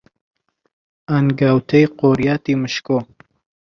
ئەنگاوتەی قۆریاتی مشکۆ،